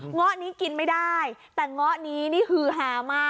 ้อะนี้กินไม่ได้แต่เงาะนี้นี่ฮือฮามาก